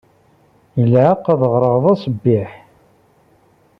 Ilaq ad ɣreɣ d aṣbiḥ.